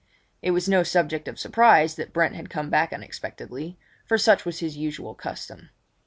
It was no subject of surprise that Brent had come back unexpectedly, for such was his usual custom.